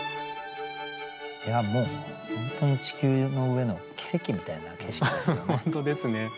もう本当に地球の上の奇跡みたいな景色ですけどね。